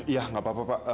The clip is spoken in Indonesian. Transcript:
ya enggak apa apa pak